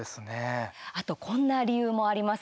あと、こんな理由もあります。